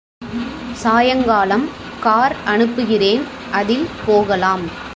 சாயங்காலம் கார் அனுப்புகிறேன் அதில் போகலாம்.